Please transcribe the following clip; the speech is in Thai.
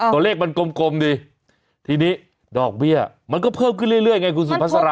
ตัวเลขมันกลมดีทีนี้ดอกเบี้ยมันก็เพิ่มขึ้นเรื่อยไงคุณสุภาษา